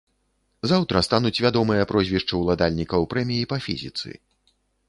Заўтра стануць вядомыя прозвішчы ўладальнікаў прэміі па фізіцы.